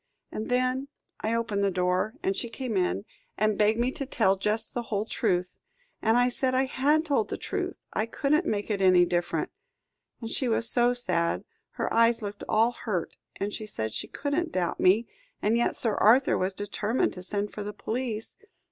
And then I opened the door, and she came in, and begged me to tell just the whole truth. And I said I had told the truth I couldn't make it any different. And she was so sad her eyes looked all hurt, and she said she couldn't doubt me, and yet Sir Arthur was determined to send for the police.